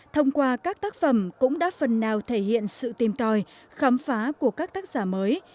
thông qua các tác phẩm cũng đã phần nào thể hiện sự tìm tòi khám phá của các tác giả mới